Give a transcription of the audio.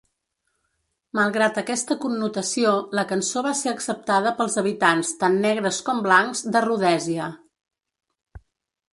Malgrat aquesta connotació, la cançó va ser acceptada pels habitants tant negres com blancs de Rhodèsia.